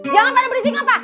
jangan pada berisik apa